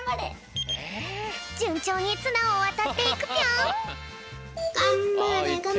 じゅんちょうにつなをわたっていくぴょん！